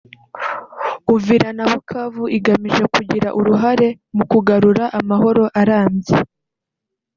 Uvira na Bukavu igamije kugira uruhare mu kagarura amahoro arambye